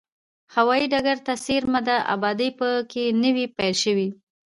هوایي ډګر ته څېرمه ده، ابادي په کې نوې پیل شوې ده.